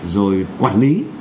rồi quản lý